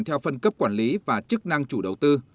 theo phân cấp quản lý và chức năng chủ đầu tư